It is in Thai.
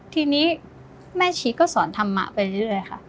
ทีนี้แม่ชีก็สอนธรรมะไปเรื่อยค่ะ